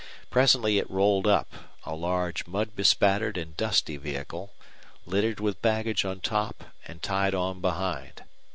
Presently it rolled up, a large mud bespattered and dusty vehicle, littered with baggage on top and tied on behind.